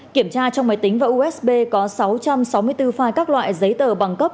kiểm tra trong máy tính và usb có sáu trăm sáu mươi bốn file các loại giấy tờ bằng cấp